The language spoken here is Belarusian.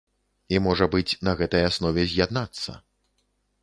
І, можа быць, на гэтай аснове з'яднацца.